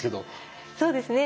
そうですね